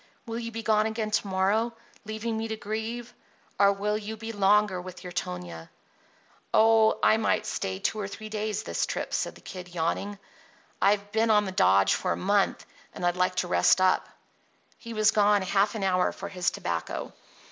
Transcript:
Will you be gone again to morrow, leaving me to grieve, or will you be longer with your Tonia?" "Oh, I might stay two or three days this trip," said the Kid, yawning. "I've been on the dodge for a month, and I'd like to rest up." He was gone half an hour for his tobacco.